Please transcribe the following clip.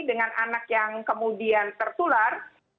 dengan anak yang kemudian tertular